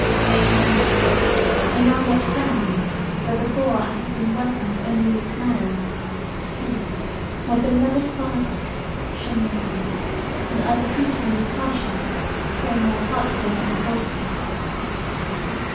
Alas! I now met frowns where before I had been welcomed only with smiles: he, my beloved father, shunned me, and either treated me with harshness or a more heart breaking coldness.